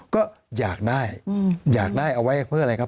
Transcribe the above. ก็อยากได้อยากได้เอาไว้เพื่ออะไรครับ